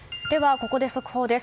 ここで速報です。